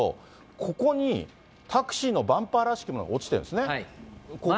ここに、タクシーのバンパーらしきものが落ちてるんですね。